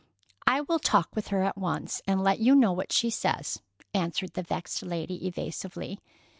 "I will talk with her at once, and let you know what she says," answered the vexed lady evasively.